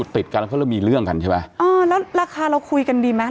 ติดกันเขาเริ่มมีเรื่องกันใช่ไหมเออแล้วราคาเราคุยกันดีไหม